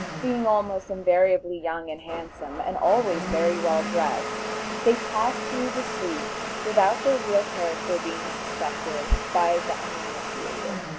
Being almost invariably young and handsome, and always very well dressed, they pass through the streets without their real character being suspected by the uninitiated.